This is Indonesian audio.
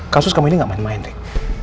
kasus kamu ini gak main main rick